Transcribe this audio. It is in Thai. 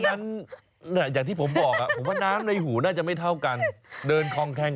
อันนั้นอย่างที่ผมบอกน้ำในหูน่าจะไม่เท่ากันเดินคล่องแคง